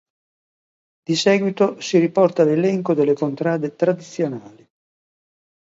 Di seguito si riporta l'elenco delle contrade tradizionali:.